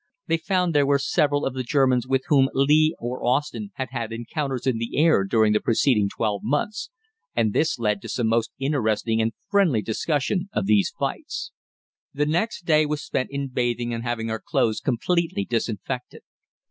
They found there were several of the Germans with whom Lee or Austin had had encounters in the air during the preceding twelve months, and this led to some most interesting and friendly discussion of these fights. The next day was spent in bathing and having our clothes completely disinfected.